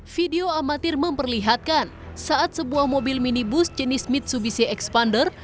video amatir memperlihatkan saat sebuah mobil minibus jenis mitsubishi expander